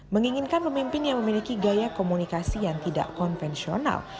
menginginkan pemimpin yang memiliki gaya komunikasi yang tidak konvensional